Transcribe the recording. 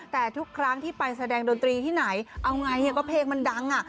แต่ทุกครั้งที่ไปแสดงดนตรีที่ไหนเอาไงก็เพลงมันดังอ่ะ